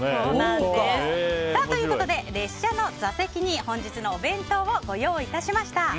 ということで列車の座席に本日のお弁当をご用意致しました。